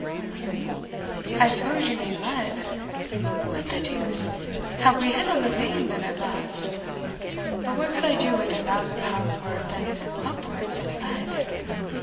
"Bullion! I suppose you mean lead. What the deuce! have we hit on the vein then at last? But what could I do with a thousand pounds' worth, and upwards, of lead?